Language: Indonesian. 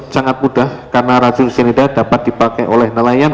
sangat mudah karena racun cyanida dapat dipakai oleh nelayan